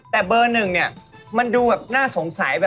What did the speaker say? แต่เบอร์หนึ่งเนี่ยมันดูแบบน่าสงสัย